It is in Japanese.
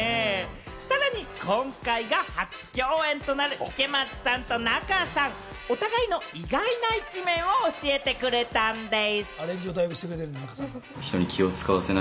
さらに今回が初共演となる、池松さんと仲さん、お互いの意外な一面を教えてくれたんでぃす。